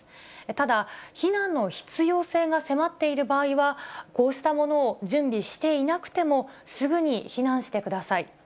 ただ、避難の必要性が迫っている場合は、こうしたものを準備していなくても、すぐに避難してください。